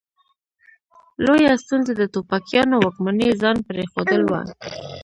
لویه ستونزه د ټوپکیانو واکمني ځان پرې ښودل وه.